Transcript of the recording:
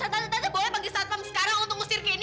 tante boleh panggil satpam sekarang untuk ngusir gendy